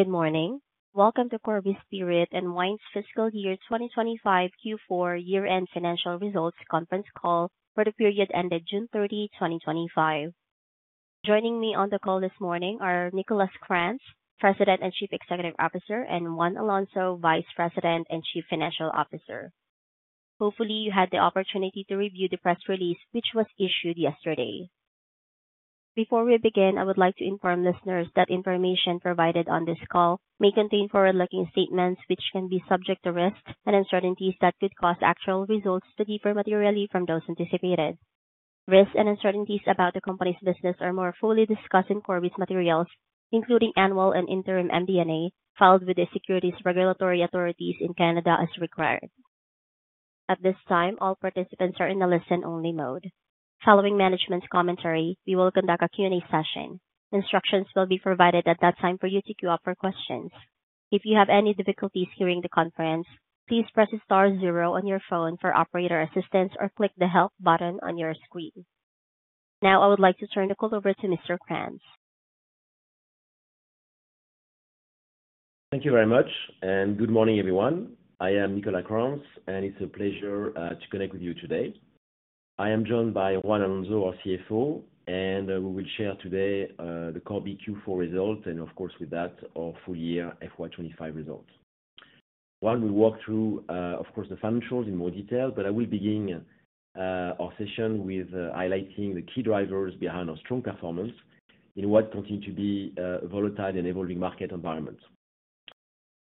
Good morning. Welcome to Corby Spirit and Wine's Fiscal Year 2025 Q4 Year-End Financial Results Conference Call for the period ended June 30, 2025. Joining me on the call this morning are Nicolas Krantz, President and Chief Executive Officer, and Juan Alonso, Vice President and Chief Financial Officer. Hopefully, you had the opportunity to review the press release, which was issued yesterday. Before we begin, I would like to inform listeners that information provided on this call may contain forward-looking statements, which can be subject to risks and uncertainties that could cause actual results to differ materially from those anticipated. Risks and uncertainties about the company's business are more fully discussed in Corby's materials, including annual and interim MD&A, filed with the securities regulatory authorities in Canada as required. At this time, all participants are in a listen-only mode. Following management's commentary, we will conduct a Q&A session. Instructions will be provided at that time for you to queue up for questions. If you have any difficulties hearing the conference, please press the star zero on your phone for operator assistance or click the help button on your screen. Now, I would like to turn the call over to Mr. Krantz. Thank you very much, and good morning, everyone. I am Nicolas Krantz, and it's a pleasure to connect with you today. I am joined by Juan Alonso, our CFO, and we will share today the Corby Q4 results, and of course, with that, our full-year FY 2025 results. Juan will walk through, of course, the financials in more detail, but I will begin our session with highlighting the key drivers behind our strong performance in what continues to be a volatile and evolving market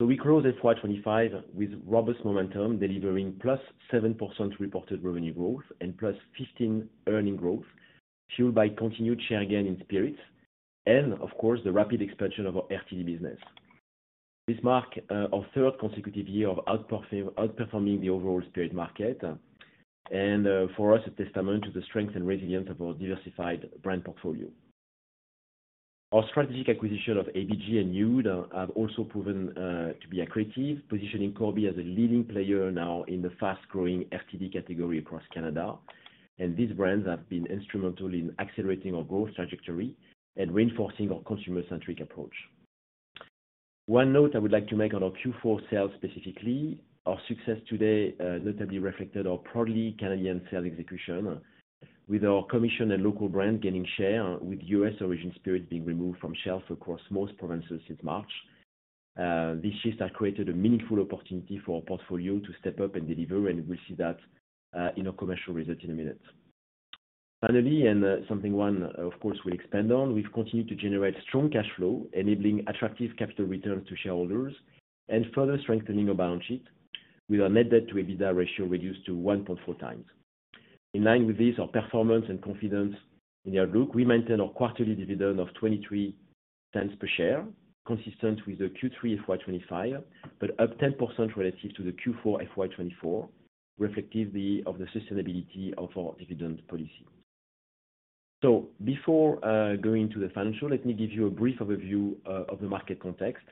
environment. We close FY 2025 with robust momentum, delivering +7% reported revenue growth and +15% earnings growth, fueled by continued share gain in Spirit and, of course, the rapid expansion of our RTD business. This marks our third consecutive year of outperforming the overall Spirit market and, for us, a testament to the strength and resilience of our diversified brand portfolio. Our strategic acquisition of ABG and Nude have also proven to be accretive, positioning Corby as a leading player now in the fast-growing RTD category across Canada, and these brands have been instrumental in accelerating our growth trajectory and reinforcing our consumer-centric approach. One note I would like to make on our Q4 sales specifically, our success today notably reflected our proudly Canadian sales execution, with our commission and local brand gaining share, with U.S. origin Spirit being removed from shelves across most provinces since March. These shifts have created a meaningful opportunity for our portfolio to step up and deliver, and we'll see that in our commercial results in a minute. Finally, and something Juan, of course, will expand on, we've continued to generate strong cash flow, enabling attractive capital returns to shareholders and further strengthening our balance sheet, with our net debt to adjusted EBITDA ratio reduced to 1.4x. In line with this, our performance and confidence in the outlook, we maintain our quarterly dividend of 0.23 per share, consistent with Q3 FY 2025, but up 10% relative to Q4 FY 2024, reflective of the sustainability of our dividend policy. Before going into the financials, let me give you a brief overview of the market context.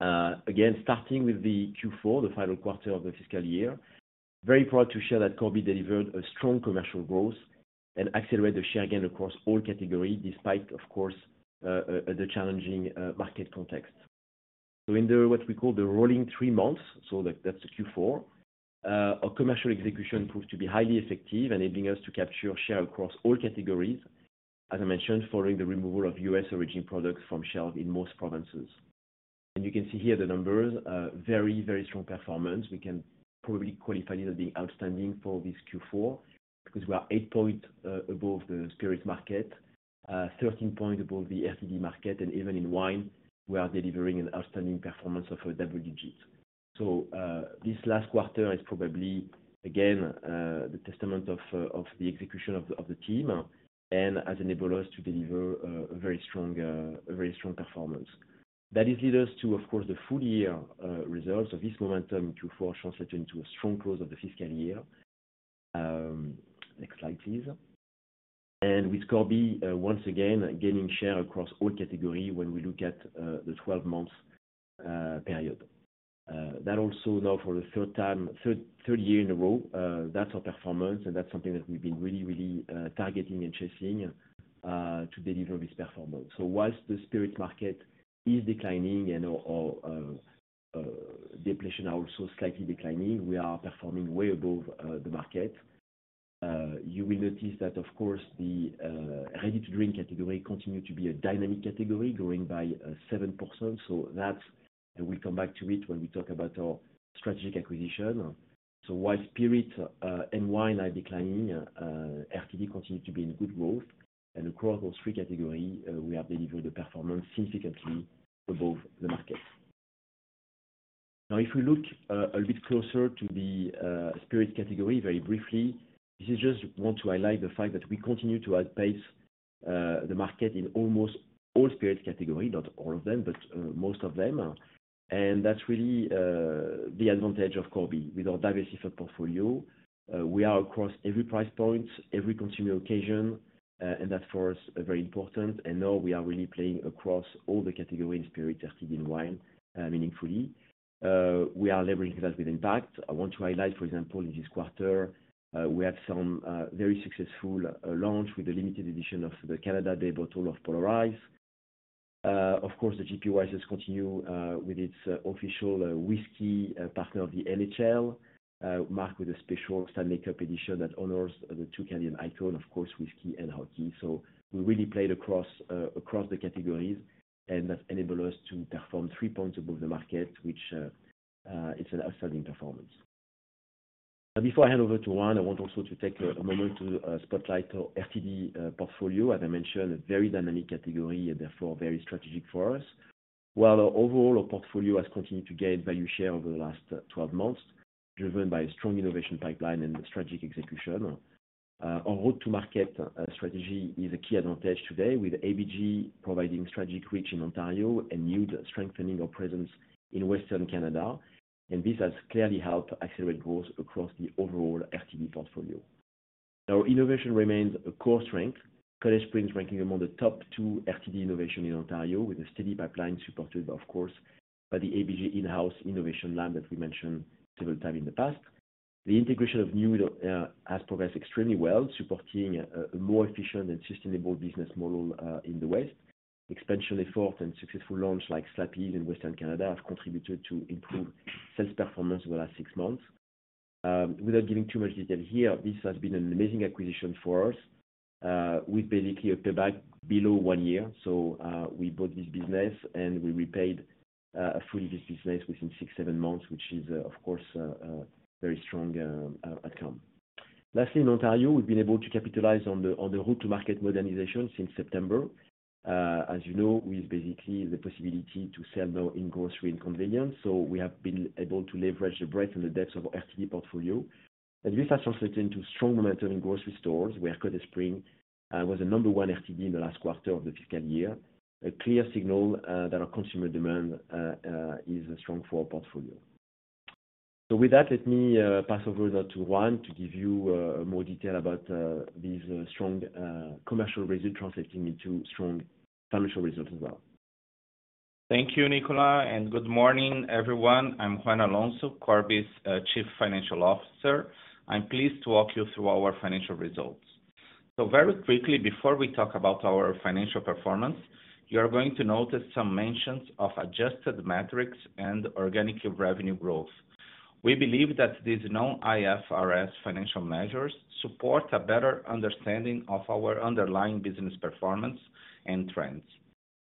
Again, starting with Q4, the final quarter of the fiscal year, very proud to share that Corby delivered a strong commercial growth and accelerated the share gain across all categories, despite, of course, the challenging market context. In what we call the rolling three months, that's the Q4, our commercial execution proved to be highly effective, enabling us to capture share across all categories, as I mentioned, following the removal of U.S. origin products from shelves in most provinces. You can see here the numbers, very, very strong performance. We can probably call it finally being outstanding for this Q4 because we are eight points above the Spirit market, 13 points above the RTD market, and even in Wine, we are delivering an outstanding performance of a double-digit. This last quarter is probably, again, the testament of the execution of the team and has enabled us to deliver a very strong performance. That leads us to the full-year results. This momentum in Q4 translates into a strong close of the fiscal year. Exciting. With Corby, once again, gaining share across all categories when we look at the 12-month period. That also, now for the third time, third year in a row, that's our performance, and that's something that we've been really, really targeting and chasing to deliver this performance. Whilst the Spirit market is declining and our depletions are also slightly declining, we are performing way above the market. You will notice that the ready-to-drink category continues to be a dynamic category, growing by 7%. We'll come back to it when we talk about our strategic acquisition. While Spirit and Wine are declining, RTD continues to be in good growth, and across those three categories, we are delivering the performance significantly above the market. If we look a little bit closer to the Spirit category very briefly, I just want to highlight the fact that we continue to outpace the market in almost all Spirit categories, not all of them, but most of them. That's really the advantage of Corby. With our diversified portfolio, we are across every price point, every consumer occasion, and that's for us very important. Now we are really playing across all the categories in Spirit, RTD, and Wine meaningfully. We are leveraging that with impact. I want to highlight, for example, in this quarter, we have some very successful launch with the limited edition of the Canada Day bottle of Polar Ice. Of course, the GPYS continues with its official whisky partner, the NHL, marked with a special Stanley Cup edition that honors the two Canadian icons, whisky and hockey. We really played across the categories, and that enabled us to perform 3 points above the market, which is an outstanding performance. Now, before I hand over to Juan, I want also to take a moment to spotlight our RTD portfolio. As I mentioned, a very dynamic category, and therefore very strategic for us. While our overall portfolio has continued to gain value share over the last 12 months, driven by a strong innovation pipeline and strategic execution, our road-to-market strategy is a key advantage today, with ABG providing strategic reach in Ontario and Nude strengthening our presence in Western Canada. This has clearly helped accelerate growth across the overall RTD portfolio. Our innovation remains a core strength, Cottage Springs ranking among the top 2 RTD innovations in Ontario, with a steady pipeline supported, of course, by the ABG in-house innovation lab that we mentioned several times in the past. The integration of Nude has progressed extremely well, supporting a more efficient and sustainable business model in the West. Expansion efforts and successful launches like Slappy’s in Western Canada have contributed to improved sales performance over the last six months. Without giving too much detail here, this has been an amazing acquisition for us, with basically a payback below one year. We bought this business, and we repaid fully this business within six, seven months, which is, of course, a very strong outcome. Lastly, in Ontario, we've been able to capitalize on the road-to-market modernization since September. As you know, with basically the possibility to sell now in grocery and convenience, we have been able to leverage the breadth and the depth of our RTD portfolio. This has translated into strong momentum in grocery stores, where Cottage Springs was the number one RTD in the last quarter of the fiscal year, a clear signal that our consumer demand is strong for our portfolio. With that, let me pass over now to Juan to give you more detail about these strong commercial results translating into strong financial results as well. Thank you, Nicolas, and good morning, everyone. I'm Juan Alonso, Corby's Chief Financial Officer. I'm pleased to walk you through our financial results. Very quickly, before we talk about our financial performance, you are going to notice some mentions of adjusted metrics and organic revenue growth. We believe that these non-IFRS financial measures support a better understanding of our underlying business performance and trends.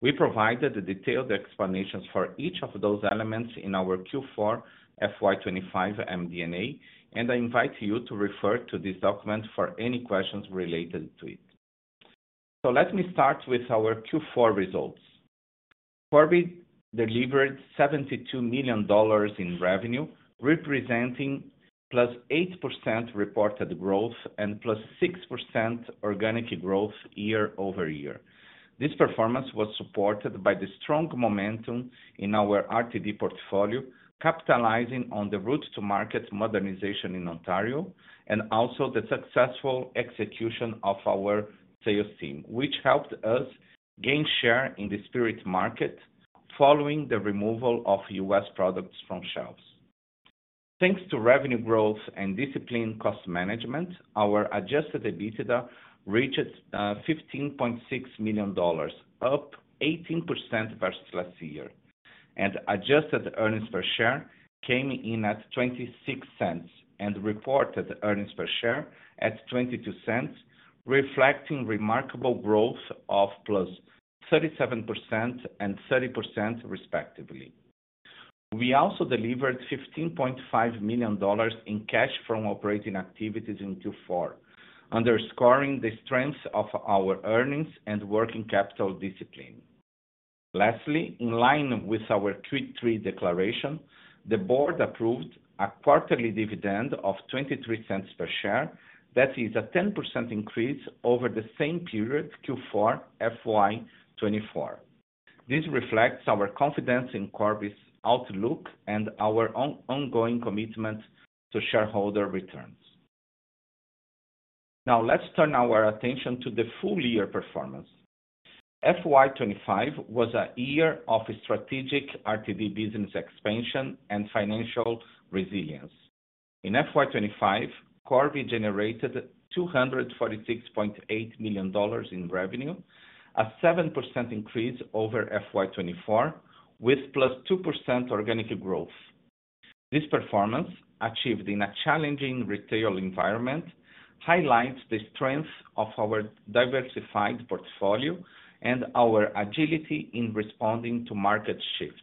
We provided the detailed explanations for each of those elements in our Q4 FY 2025 MD&A, and I invite you to refer to this document for any questions related to it. Let me start with our Q4 results. Corby delivered CAD 72 million in revenue, representing +8% reported growth and +6% organic growth year-over-year. This performance was supported by the strong momentum in our RTD portfolio, capitalizing on the road-to-market modernization in Ontario, and also the successful execution of our sales team, which helped us gain share in the Spirit market following the removal of U.S. products from shelves. Thanks to revenue growth and disciplined cost management, our adjusted EBITDA reached 15.6 million dollars, up 18% versus last year. Adjusted earnings per share came in at 0.26 and reported earnings per share at 0.22, reflecting remarkable growth of +37% and +30% respectively. We also delivered 15.5 million dollars in cash from operating activities in Q4, underscoring the strength of our earnings and working capital discipline. Lastly, in line with our Q3 declaration, the board approved a quarterly dividend of 0.23 per share. That is a 10% increase over the same period, Q4 FY 2024. This reflects our confidence in Corby's outlook and our ongoing commitment to shareholder returns. Now, let's turn our attention to the full-year performance. FY 2025 was a year of strategic RTD business expansion and financial resilience. In FY 2025, Corby generated 246.8 million dollars in revenue, a 7% increase over FY 2024, with +2% organic growth. This performance, achieved in a challenging retail environment, highlights the strength of our diversified portfolio and our agility in responding to market shifts.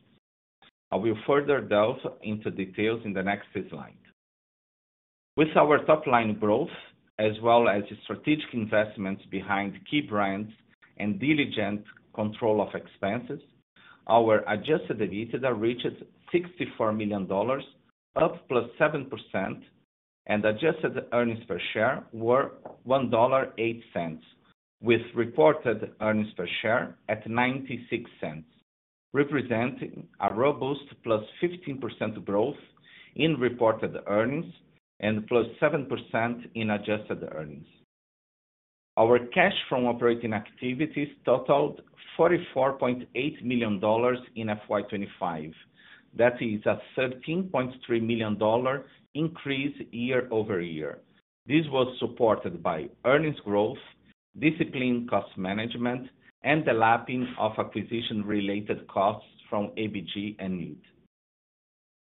I will further delve into details in the next slide. With our top-line growth, as well as strategic investments behind key brands and diligent control of expenses, our adjusted EBITDA reached 64 million dollars, up +7%, and adjusted earnings per share were 1.08 dollar, with reported earnings per share at 0.96, representing a robust +15% growth in reported earnings and +7% in adjusted earnings. Our cash from operating activities totaled 44.8 million dollars in FY 2025. That is a 13.3 million dollar increase year-over-year. This was supported by earnings growth, disciplined cost management, and the lapping of acquisition-related costs from ABG and Nude.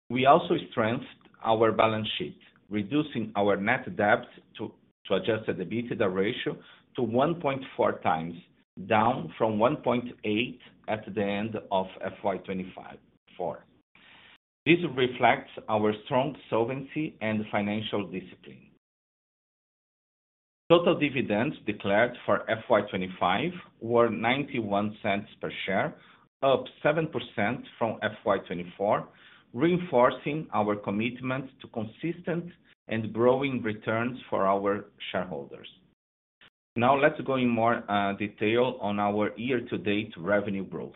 We also strengthened our balance sheet, reducing our net debt to adjusted EBITDA ratio to 1.4x, down from 1.8x at the end of FY 2025. This reflects our strong solvency and financial discipline. Total dividends declared for FY 2025 were 0.91 per share, up 7% from FY 2024, reinforcing our commitment to consistent and growing returns for our shareholders. Now, let's go in more detail on our year-to-date revenue growth.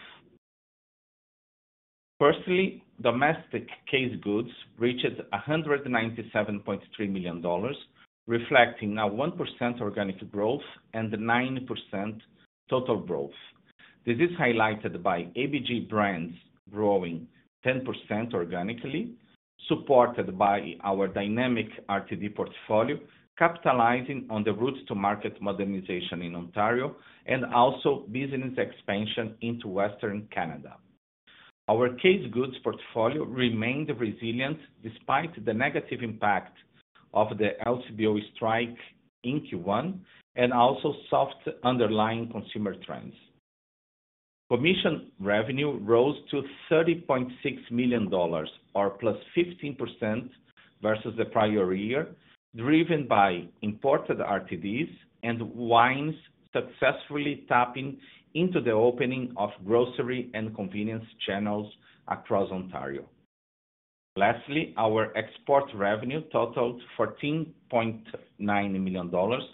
Firstly, domestic case goods reached 197.3 million dollars, reflecting now 1% organic growth and 9% total growth. This is highlighted by ABG brands growing 10% organically, supported by our dynamic RTD portfolio, capitalizing on the road-to-market modernization in Ontario and also business expansion into Western Canada. Our case goods portfolio remained resilient despite the negative impact of the LCBO strike in Q1 and also soft underlying consumer trends. Commission revenue rose to 30.6 million dollars, or +15% versus the prior year, driven by imported RTDs and Wines successfully tapping into the opening of grocery and convenience channels across Ontario. Lastly, our export revenue totaled 14.9 million dollars,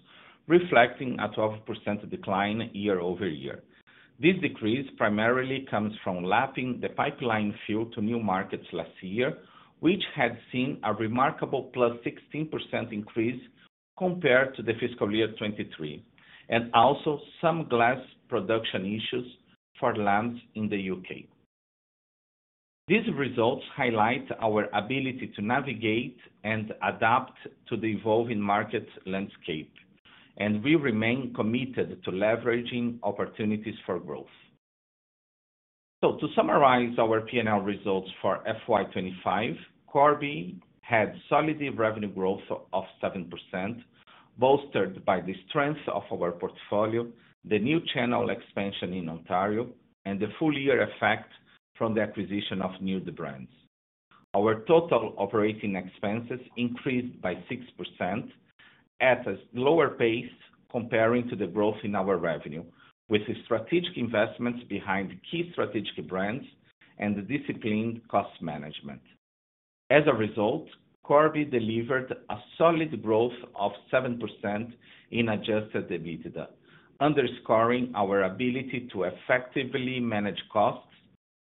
reflecting a 12% decline year-over-year. This decrease primarily comes from lapping the pipeline fuel to new markets last year, which had seen a remarkable +16% increase compared to the fiscal year 2023, and also some glass production issues for lambs in the U.K. These results highlight our ability to navigate and adapt to the evolving market landscape, and we remain committed to leveraging opportunities for growth. To summarize our P&L results for FY 2025, Corby had solid revenue growth of 7%, bolstered by the strength of our portfolio, the new channel expansion in Ontario, and the full-year effect from the acquisition of Nude brands. Our total operating expenses increased by 6% at a slower pace compared to the growth in our revenue, with strategic investments behind key strategic brands and disciplined cost management. As a result, Corby delivered a solid growth of 7% in adjusted EBITDA, underscoring our ability to effectively manage costs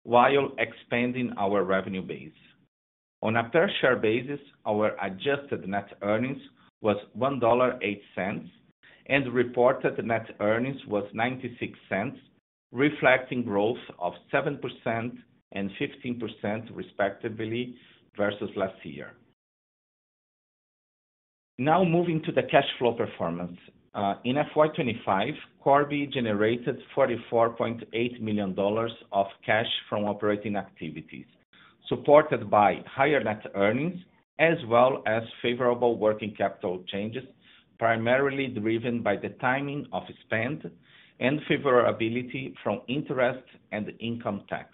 while expanding our revenue base. On a per-share basis, our adjusted net earnings were 1.08 and reported net earnings were 0.96, reflecting growth of 7% and 15% respectively versus last year. Now, moving to the cash flow performance. In FY 2025, Corby generated 44.8 million dollars of cash from operating activities, supported by higher net earnings, as well as favorable working capital changes, primarily driven by the timing of spend and favorability from interest and income tax.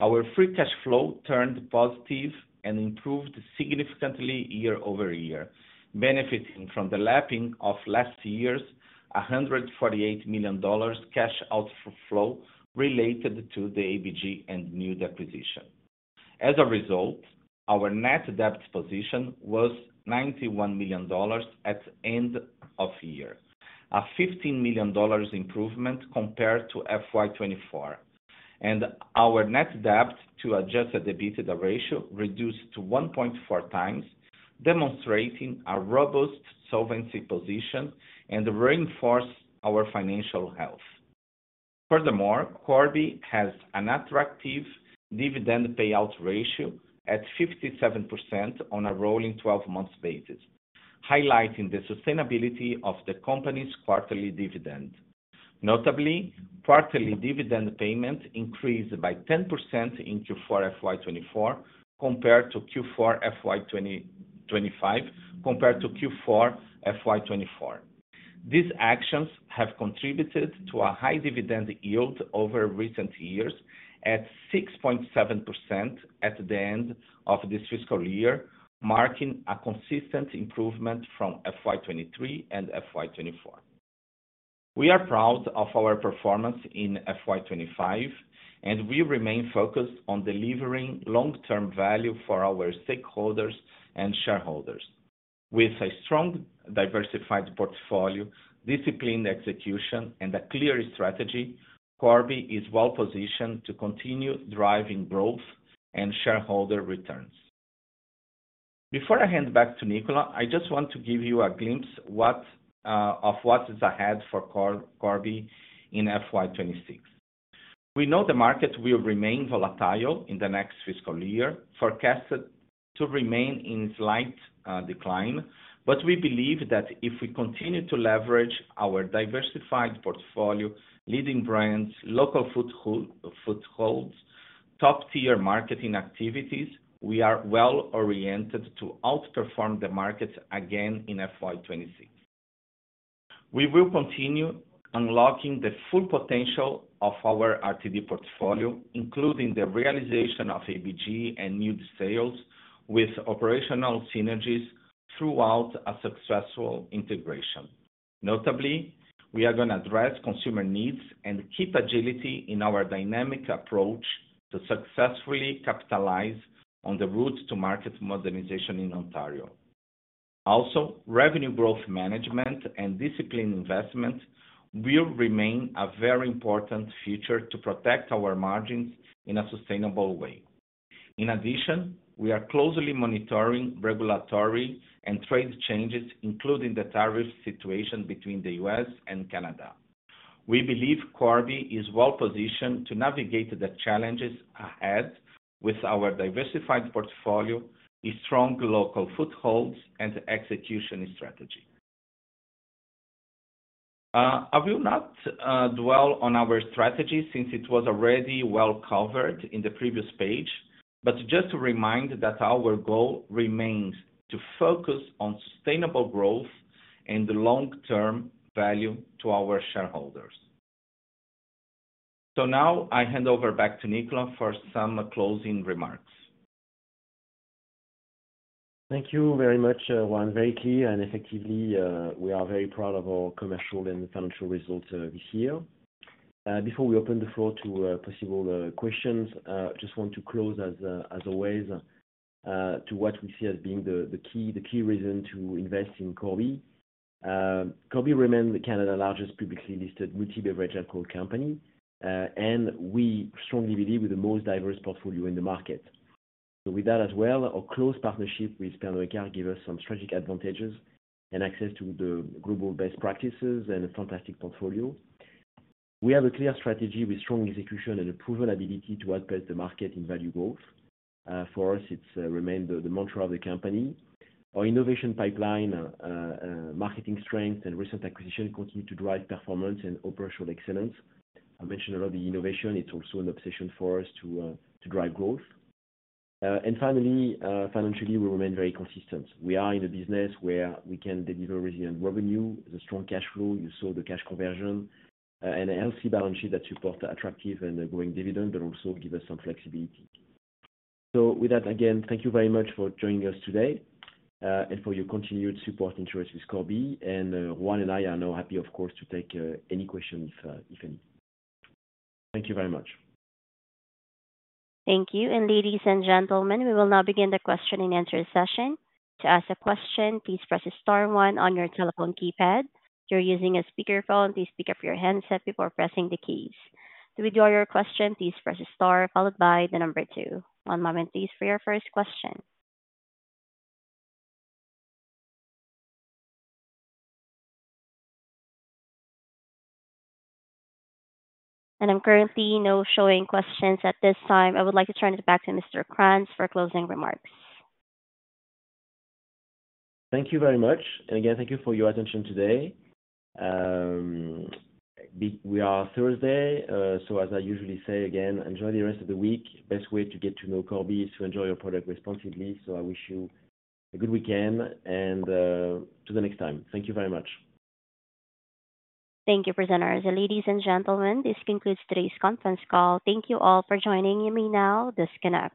Our free cash flow turned positive and improved significantly year-over-year, benefiting from the lapping of last year's 148 million dollars cash outflow related to the ABG and Nude acquisition. As a result, our net debt position was 91 million dollars at the end of the year, a 15 million dollars improvement compared to FY 2024. Our net debt to adjusted EBITDA ratio reduced to 1.4x, demonstrating a robust solvency position and reinforced our financial health. Furthermore, Corby has an attractive dividend payout ratio at 57% on a rolling 12-month basis, highlighting the sustainability of the company's quarterly dividend. Notably, quarterly dividend payment increased by 10% in Q4 FY 2024 compared to Q4 FY 2025, compared to Q4 FY 2024. These actions have contributed to a high dividend yield over recent years at 6.7% at the end of this fiscal year, marking a consistent improvement from FY 2023 and FY 2024. We are proud of our performance in FY 2025, and we remain focused on delivering long-term value for our stakeholders and shareholders. With a strong diversified portfolio, disciplined execution, and a clear strategy, Corby is well-positioned to continue driving growth and shareholder returns. Before I hand back to Nicolas, I just want to give you a glimpse of what is ahead for Corby in FY 2026. We know the market will remain volatile in the next fiscal year, forecasted to remain in a slight decline, but we believe that if we continue to leverage our diversified portfolio, leading brands, local footholds, top-tier marketing activities, we are well-oriented to outperform the markets again in FY 2026. We will continue unlocking the full potential of our RTD portfolio, including the realization of ABG and Nude sales with operational synergies throughout a successful integration. Notably, we are going to address consumer needs and keep agility in our dynamic approach to successfully capitalize on the road-to-market modernization in Ontario. Also, revenue growth management and disciplined investment will remain a very important feature to protect our margins in a sustainable way. In addition, we are closely monitoring regulatory and trade changes, including the tariff situation between the U.S. and Canada. We believe Corby is well-positioned to navigate the challenges ahead with our diversified portfolio, strong local footholds, and execution strategy. I will not dwell on our strategy since it was already well covered in the previous page, but just to remind that our goal remains to focus on sustainable growth and long-term value to our shareholders. I hand over back to Nicolas for some closing remarks. Thank you very much, Juan. Very clear and effectively, we are very proud of our commercial and financial results this year. Before we open the floor to possible questions, I just want to close, as always, to what we see as being the key reason to invest in Corby. Corby remains the largest publicly listed multi-beverage alcohol company in Canada, and we strongly believe in the most diverse portfolio in the market. With that as well, our close partnership with Pernod Ricard gives us some strategic advantages and access to the global best practices and a fantastic portfolio. We have a clear strategy with strong execution and a proven ability to outpace the market in value growth. For us, it's remained the mantra of the company. Our innovation pipeline, marketing strength, and recent acquisition continue to drive performance and operational excellence. I mentioned a lot of the innovation. It's also an obsession for us to drive growth. Finally, financially, we remain very consistent. We are in a business where we can deliver resilient revenue, strong cash flow. You saw the cash conversion and a healthy balance sheet that supports attractive and growing dividends, but also gives us some flexibility. With that, again, thank you very much for joining us today and for your continued support and interest with Corby. Juan and I are now happy, of course, to take any questions if any. Thank you very much. Thank you. Ladies and gentlemen, we will now begin the question and answer session. To ask a question, please press star one on your telephone keypad. If you're using a speakerphone, please pick up your handset before pressing the keys. To withdraw your question, please press star followed by the number two. One moment, please, for your first question. There are currently no questions at this time. I would like to turn it back to Mr. Krantz for closing remarks. Thank you very much. Thank you for your attention today. We are Thursday. As I usually say, enjoy the rest of the week. The best way to get to know Corby is to enjoy your product responsibly. I wish you a good weekend and to the next time. Thank you very much. Thank you, presenters. Ladies and gentlemen, this concludes today's conference call. Thank you all for joining. You may now disconnect.